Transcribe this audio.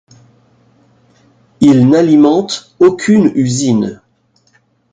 Il n'alimente aucune usine.